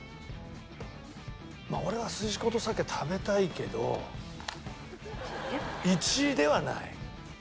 まあ俺はすじことさけ食べたいけど１位ではない。